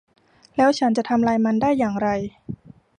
แล้วฉันจะทำลายมันได้อย่างไร